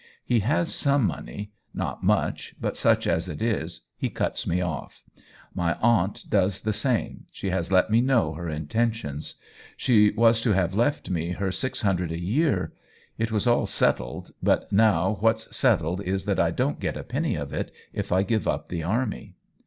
He has some money — not much, but such as it is he cuts me off. My aunt does the same — she has let me know her intentions. She OWEN WINGRAVE 187 was to have left me her six hundred a year. It was all settled ; but now what's settled is that I don't get a penny of it if I give up the army.